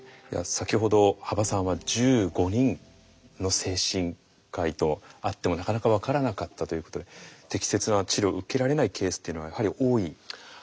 先ほど羽馬さんは１５人の精神科医と会ってもなかなか分からなかったということで適切な治療を受けられないケースっていうのはやはり多いですか？